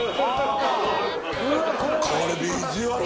これビジュアル